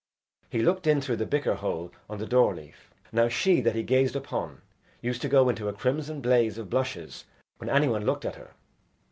He looked in through the bicker hole on the door leaf. Now she that he gazed upon used to go into a crimson blaze of blushes when any one looked at her.